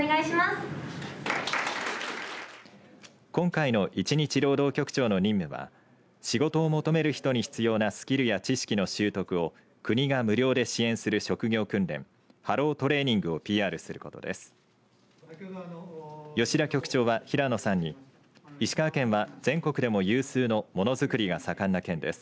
今回の１日労働局長の任務は仕事を求める人に必要なスキルや知識の習得を国が無料で支援する職業訓練ハロートレーニングをＰＲすることです。